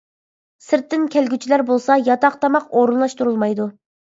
سىرتتىن كەلگۈچىلەر بولسا ياتاق تاماق ئورۇنلاشتۇرۇلمايدۇ.